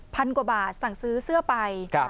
พันกว่าบาทสั่งซื้อเสื้อไป